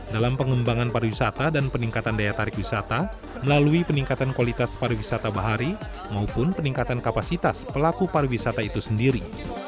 dalam pengembangan para wisata dan peningkatan daya tarik wisata melalui peningkatan kualitas para wisata bahari maupun peningkatan kapasitas pelaku para wisata itu sendiri